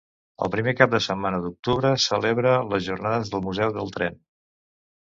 El primer cap de setmana d'octubre celebra les Jornades del Museu del Tren.